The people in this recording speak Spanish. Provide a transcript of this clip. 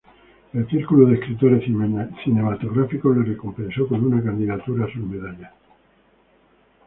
El Círculo de Escritores Cinematográficos le recompensó con una candidatura a sus medallas.